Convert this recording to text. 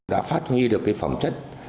đã phát huy được cái phẩm chất